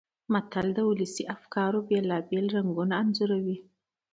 متل د ولسي افکارو بېلابېل رنګونه انځوروي